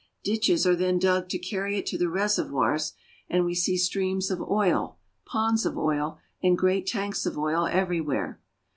Ditches are then dug to carry it to the reservoirs, and we see streams of oil, ponds of oil, and great tanks of oil everywhere.